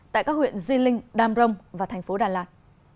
tại các huyện di linh đam rông và thành phố đà lạt